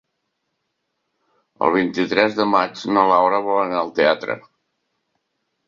El vint-i-tres de maig na Laura vol anar al teatre.